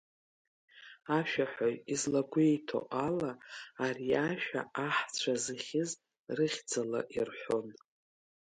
Ашәаҳәаҩ излазгәеиҭо ала, ари ашәа аҳцәа зыхьыз рыхьӡала ирҳәон.